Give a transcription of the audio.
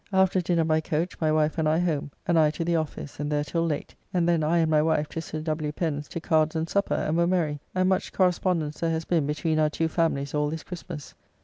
After dinner by coach my wife and I home, and I to the office, and there till late, and then I and my wife to Sir W. Pen's to cards and supper, and were merry, and much correspondence there has been between our two families all this Christmas.